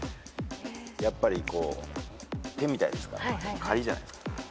やっぱり手みたいですから狩りじゃないですか？